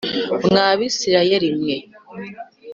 mwa Bisirayeli mwe